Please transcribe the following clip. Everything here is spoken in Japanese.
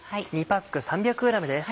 ２パック３００ｇです。